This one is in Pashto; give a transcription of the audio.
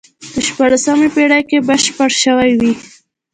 په شپاړسمې پېړۍ کې بشپړ شوی وي.